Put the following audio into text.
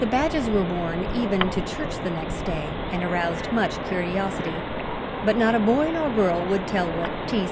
The badges were worn even to church the next day and aroused much curiosity; but not a boy nor girl would tell what "T.